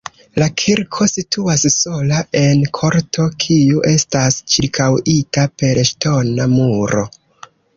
La kirko situas sola en korto, kiu estas ĉirkaŭita per ŝtona muro.